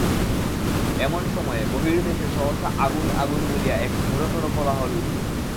এমন সময়ে বহির্দেশে সহসা আগুন– আগুন বলিয়া এক ঘোরতর কোলাহল উঠিল।